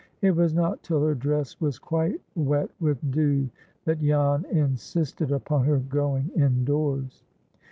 It was not till her dress was quite wet with dew that Jan insisted upon her going indoors.